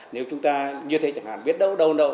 nếu chúng ta như thế chẳng hạn biết đâu đầu nậu